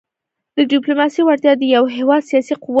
د ډيپلوماسۍ وړتیا د یو هېواد سیاسي قوت تمثیلوي.